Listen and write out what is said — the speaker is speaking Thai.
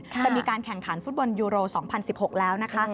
จะมีการแข่งขันฟุตบอลยูโร๒๐๑๖แล้วนะคะ